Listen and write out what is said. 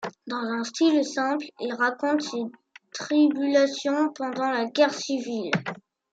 Dans un style simple, il raconte ses tribulations pendant la guerre civile.